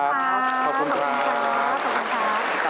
ขอบคุณค่ะขอบคุณค่ะขอบคุณครับ